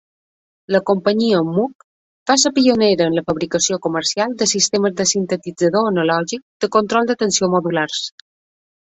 La companyia Moog va ser pionera en la fabricació comercial de sistemes de sintetitzador analògic de control de tensió modulars.